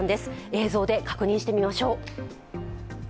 映像で確認してみましょう。